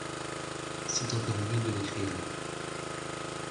C’est encore mieux de l’écrire